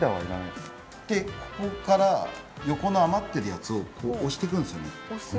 ここから横の余っているやつを押していくんです。